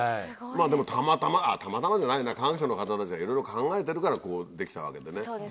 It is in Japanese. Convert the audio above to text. たまたまたまたまじゃないな科学者の方たちがいろいろ考えてるからこうできたわけでね。